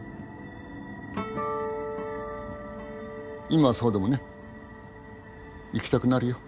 今はそうでもね行きたくなるよ